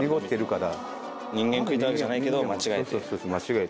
人間食いたいわけじゃないけど間違えて。